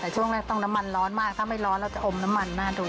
แต่ช่วงแรกต้องน้ำมันร้อนมากถ้าไม่ร้อนเราจะอมน้ำมันหน้าดู